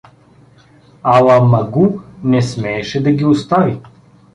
Ала Магу не смееше да ги остави.